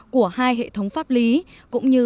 của hai hệ thống pháp lý cũng như